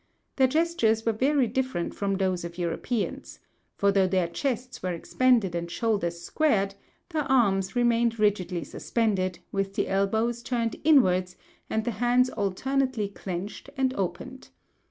Their gestures were very different from those of Europeans; for though their chests were expanded and shoulders squared, their arms remained rigidly suspended, with the elbows turned inwards and the hands alternately clenched and opened.